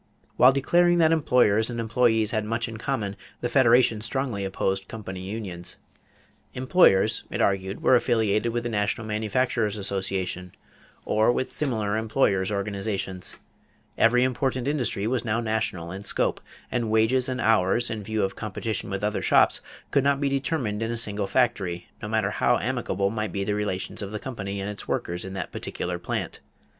While declaring that employers and employees had much in common, the Federation strongly opposed company unions. Employers, it argued, were affiliated with the National Manufacturers' Association or with similar employers' organizations; every important industry was now national in scope; and wages and hours, in view of competition with other shops, could not be determined in a single factory, no matter how amicable might be the relations of the company and its workers in that particular plant.